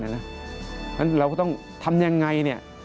ฉะนั้นเราก็ต้องทำอย่างไร